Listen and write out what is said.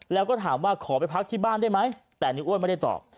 แล้วก็ถามว่าขอไปพักที่บ้านได้ไหมแต่ในอ้วนไม่ได้ตอบ